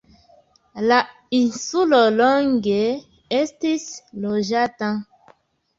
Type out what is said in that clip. La insulo longe estis loĝata.